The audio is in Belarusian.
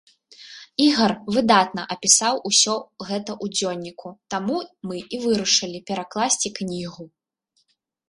Ігар выдатна апісаў усё гэта ў дзённіку, таму мы і вырашылі перакласці кнігу.